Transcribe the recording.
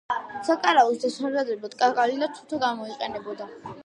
საკრავის დასამზადებლად კაკალი და თუთა გამოიყენება.